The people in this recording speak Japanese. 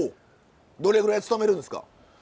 どれぐらい勤めるんですか？